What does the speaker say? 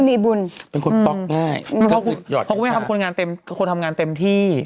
มีบุญเป็นคนป๊อกง่ายเพราะคุณแม่ครับคนงานเต็มคนทำงานเต็มที่